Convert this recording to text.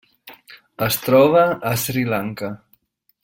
Es troba a Sri Lanka.